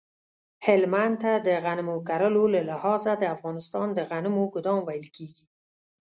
هلمند ته د غنم کرلو له لحاظه د افغانستان د غنمو ګدام ویل کیږی